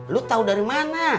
lu tau dari mana